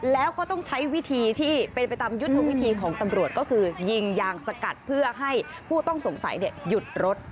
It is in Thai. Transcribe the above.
แล้วก็ต้องใช้วิธีที่เป็นไปตามยุทธวิธีของตำรวจก็คือยิงยางสกัดเพื่อให้ผู้ต้องสงสัยหยุดรถ